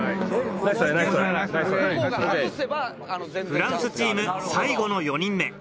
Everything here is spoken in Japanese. フランスチーム最後の４人目。